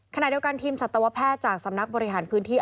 ขณะเดียวกันทีมสัตวแพทย์จากสำนักบริหารพื้นที่